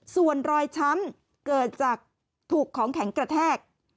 ส่วนรอยช้ำเกิดจากถูกของแข็งกระแทก